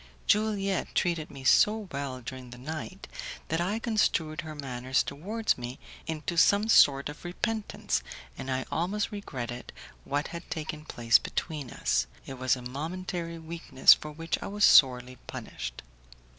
Juliette treated me so well during the night that I construed her manners towards me into some sort of repentance, and I almost regretted what had taken place between us; it was a momentary weakness for which I was sorely punished.